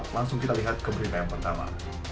langsung kita lihat keberitaan pertama